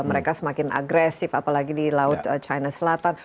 mereka semakin agresif apalagi di laut china selatan